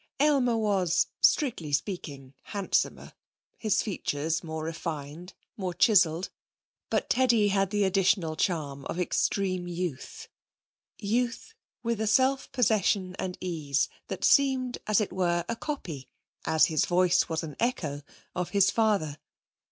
Aylmer was, strictly speaking, handsomer. His features more refined, more chiselled. But Teddy had the additional charm of extreme youth youth with the self possession and ease that seemed, as it were, a copy as his voice was an echo of his father.